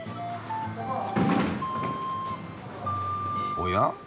おや？